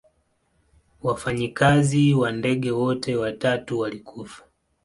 Wafanyikazi wa ndege wote watatu walikufa.